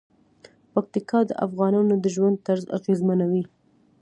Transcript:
پکتیکا د افغانانو د ژوند طرز اغېزمنوي.